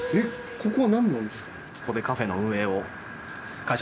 ここは何なんですか？